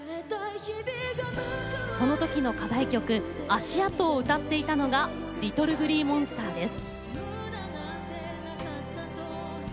その時の課題曲「足跡」を歌っていたのがＬｉｔｔｌｅＧｌｅｅＭｏｎｓｔｅｒです。